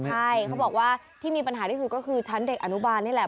ใช่เขาบอกว่าที่มีปัญหาที่สุดก็คือชั้นเด็กอนุบาลนี่แหละ